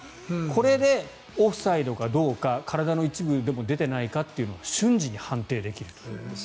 これでオフサイドかどうか体の一部でも出ていないかどうか瞬時に判定できると。